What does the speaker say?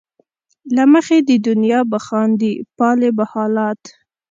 له مخې د دنیا به خاندې ،پالې به حالات